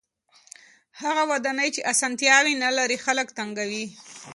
هغه ودانۍ چې اسانتیاوې نلري خلک تنګوي.